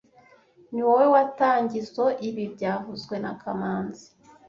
Niwowe watangizoe ibi byavuzwe na kamanzi